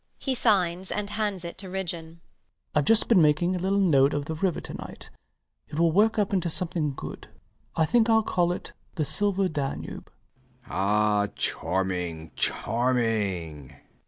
[He signs and hands it to Ridgeon]. Ive just been making a little note of the river to night: it will work up into something good [he shews a pocket sketch book]. I think I'll call it the Silver Danube. B. B. Ah, charming, charming.